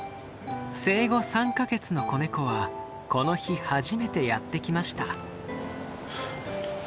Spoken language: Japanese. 生後３か月の子ネコはこの日初めてやって来ました。